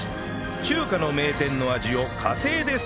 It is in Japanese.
中華の名店の味を家庭で再現